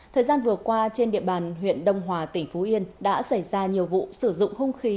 thời gian vừa qua trên địa bàn huyện đông hòa tỉnh phú yên đã xảy ra nhiều vụ sử dụng hung khí